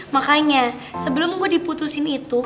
makanya sebelum gue diputusin itu